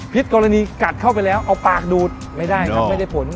กรณีกัดเข้าไปแล้วเอาปากดูดไม่ได้ครับไม่ได้ผล